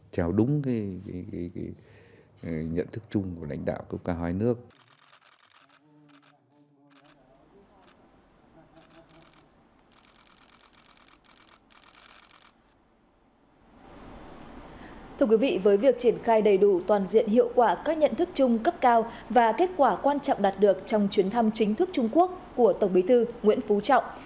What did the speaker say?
thưa quý vị với việc triển khai đầy đủ toàn diện hiệu quả các nhận thức chung cấp cao và kết quả quan trọng đạt được trong chuyến thăm chính thức trung quốc của tổng bí thư nguyễn phú trọng